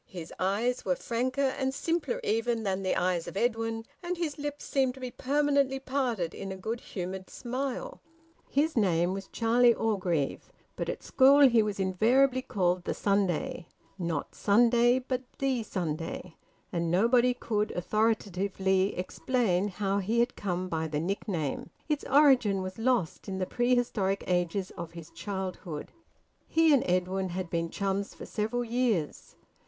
His eyes were franker and simpler even than the eyes of Edwin, and his lips seemed to be permanently parted in a good humoured smile. His name was Charlie Orgreave, but at school he was invariably called "the Sunday" not "Sunday," but "the Sunday" and nobody could authoritatively explain how he had come by the nickname. Its origin was lost in the prehistoric ages of his childhood. He and Edwin had been chums for several years.